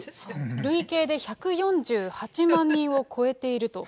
累計で１４８万人を超えていると。